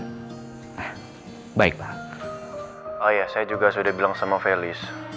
nak males tuh lo sebenernya